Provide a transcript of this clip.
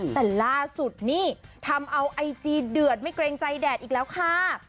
แต่ล่าสุดนี่ทำเอาไอจีเดือดไม่เกรงใจแดดอีกแล้วค่ะ